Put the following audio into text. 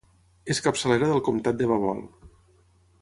És capçalera del comtat de Babol.